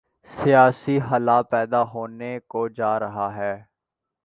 سیاسی خلا پیدا ہونے کو جارہا ہے۔